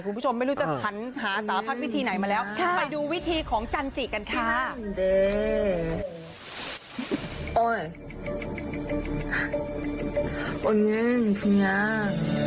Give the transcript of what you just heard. คุณผู้ชมไม่รู้จะหันหาสารพัดวิธีไหนมาแล้วไปดูวิธีของจันจิกันค่ะ